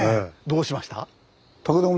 どうしました？